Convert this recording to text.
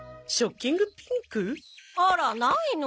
あらないの？